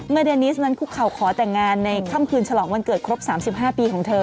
เดนิสนั้นคุกเข่าขอแต่งงานในค่ำคืนฉลองวันเกิดครบ๓๕ปีของเธอ